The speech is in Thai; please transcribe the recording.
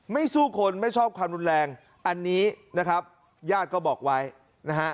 สู้คนไม่ชอบความรุนแรงอันนี้นะครับญาติก็บอกไว้นะฮะ